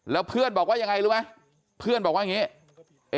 แล้วเพื่อนบอกว่ายังไงรู้ไหมเพื่อนบอกว่าอย่างนี้